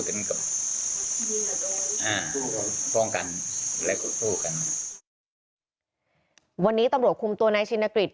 ถึงกับป้องกันและกดทู้กันวันนี้ตำรวจคุมตัวในชินนกฤษ